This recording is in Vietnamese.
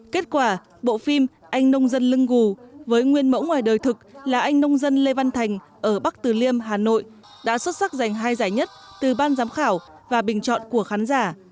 kết quả bộ phim anh nông dân lưng gù với nguyên mẫu ngoài đời thực là anh nông dân lê văn thành ở bắc từ liêm hà nội đã xuất sắc giành hai giải nhất từ ban giám khảo và bình chọn của khán giả